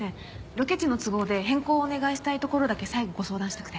ロケ地の都合で変更をお願いしたいところだけ最後ご相談したくて。